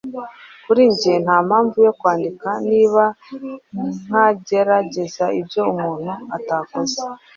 Kuri njye, nta mpamvu yo kwandika niba ntagerageza ibyo umuntu atakoze